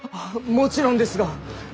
もちろんですが。